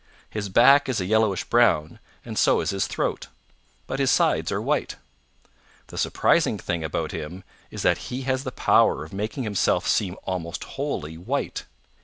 His back is a yellowish brown and so is his throat. But his sides are white. The surprising thing about him is that he has the power of making himself seem almost wholly white.